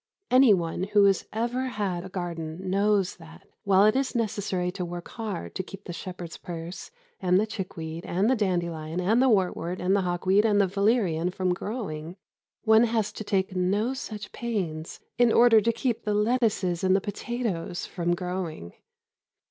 Anyone who has ever had a garden knows that, while it is necessary to work hard to keep the shepherd's purse and the chickweed and the dandelion and the wartwort and the hawkweed and the valerian from growing, one has to take no such pains in order to keep the lettuces and the potatoes from growing.